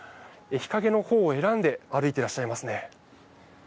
日陰のほうを選んで歩いていらっしゃいますね。